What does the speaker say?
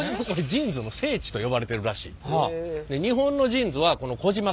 ジーンズの聖地と呼ばれてるらしい。